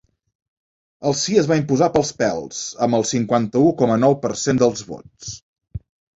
El sí es va imposar pels pèls, amb el cinquanta-u coma nou per cent dels vots.